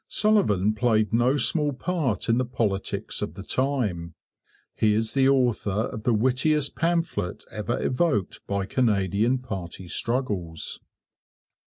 Sullivan played no small part in the politics of the time. He is the author of the wittiest pamphlet ever evoked by Canadian party struggles.